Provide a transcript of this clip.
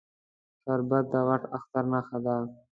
شربت د غټ اختر نښه ده